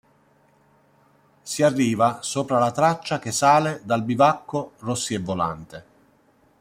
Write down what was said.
Si arriva sopra la traccia che sale dal Bivacco Rossi e Volante.